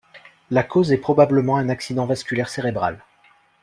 La cause est probablement un accident vasculaire cérébral.